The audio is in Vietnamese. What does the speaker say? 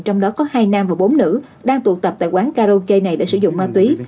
trong đó có hai nam và bốn nữ đang tụ tập tại quán karaoke này đã sử dụng ma túy